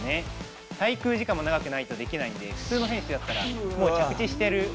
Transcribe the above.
滞空時間も長くないとできないんで、普通の選手だったら、もう着地してる。